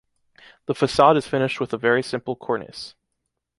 The façade is finished with a very simple cornice.